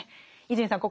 伊集院さん